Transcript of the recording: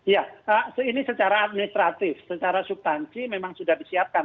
ya ini secara administratif secara subtansi memang sudah disiapkan